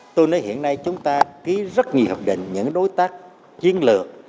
tôi nói hiện nay chúng ta ký rất nhiều hiệp định những đối tác chiến lược